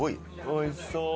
おいしそう！